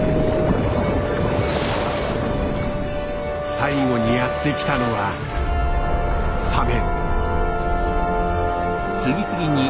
最後にやって来たのはサメ。